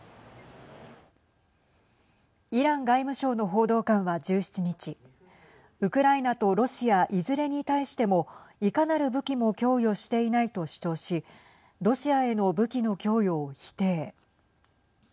イラン外務省の報道官は１７日ウクライナとロシアいずれに対してもいかなる武器も供与していないと主張しロシアへの武器の供与を否定。